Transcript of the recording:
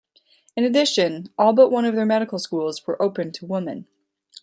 In addition, all but one of their medical schools were open to women.